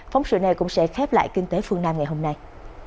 phóng sự này cũng sẽ khép lại kinh tế phương nam ngày hôm nay